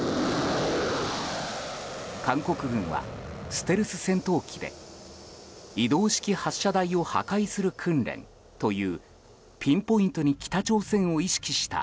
韓国軍はステルス戦闘機で移動式発射台を破壊する訓練というピンポイントに北朝鮮を意識した